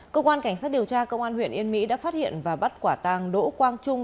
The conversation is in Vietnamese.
cơ quan cảnh sát điều tra công an huyện yên mỹ đã phát hiện và bắt quả tàng đỗ quang trung